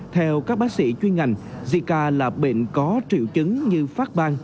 theo các bác sĩ chuyên ngành zika là bệnh có triệu chứng như phát bang